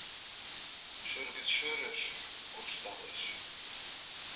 Шӧр гыч шӧрыш куржталеш.